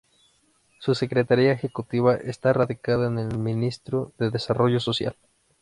Su secretaría ejecutiva está radicada en el Ministerio de Desarrollo Social.